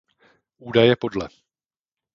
Údaje podle.